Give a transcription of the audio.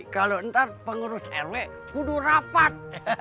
kalau ntar pengurus rw udah rapat